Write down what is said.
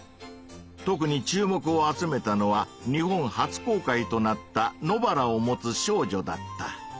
特に注目を集めたのは日本初公開となった「野バラをもつ少女」だった。